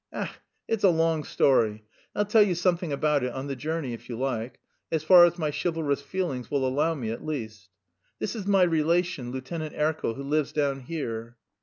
Ech, it's a long story; I'll tell you something about it on the journey if you like as far as my chivalrous feelings will allow me, at least.... This is my relation, Lieutenant Erkel, who lives down here."